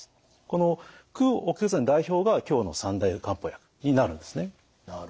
この駆血剤の代表が今日の三大漢方薬になるんですね。